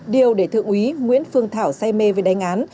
điều để thượng úy nguyễn phương thảo say mê với đánh án